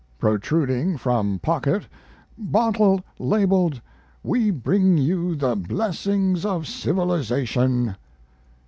Protruding from pocket bottle labeled "We bring you the blessings of civilization."